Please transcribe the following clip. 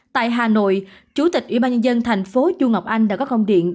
tại hà nội chủ tịch ubnd tp dn đã có không điện